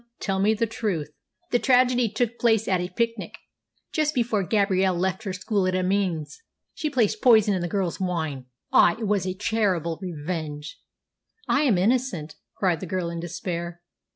Tell me the truth." "The tragedy took place at a picnic, just before Gabrielle left her school at Amiens. She placed poison in the girl's wine. Ah, it was a terrible revenge!" "I am innocent!" cried the girl in despair.